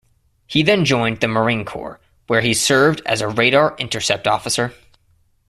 He then joined the Marine Corps where he served as a Radar Intercept Officer.